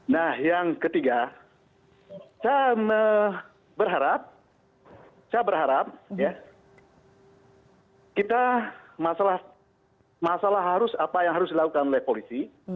nah yang ketiga saya berharap kita masalah harus apa yang harus dilakukan oleh polisi